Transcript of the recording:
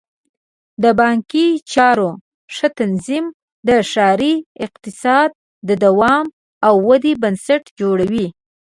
د بانکي چارو ښه تنظیم د ښاري اقتصاد د دوام او ودې بنسټ جوړوي.